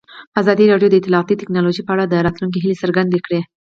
ازادي راډیو د اطلاعاتی تکنالوژي په اړه د راتلونکي هیلې څرګندې کړې.